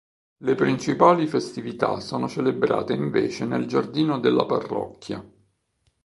Le principali festività sono celebrate invece nel giardino della parrocchia.